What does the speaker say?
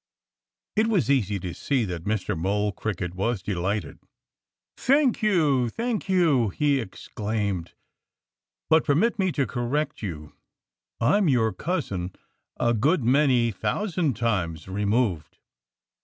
It was easy to see that Mr. Mole Cricket was delighted. "Thank you! Thank you!" he exclaimed. "But permit me to correct you. I'm your cousin a good many thousand times removed.